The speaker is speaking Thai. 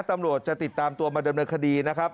ตำรวจจะติดตามตัวมาดำเนินคดีนะครับ